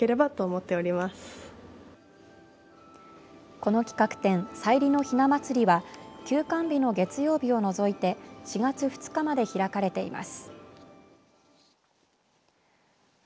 この企画展、齋理のひなまつりは休館日の月曜日を除いて４月２日まで開かれています。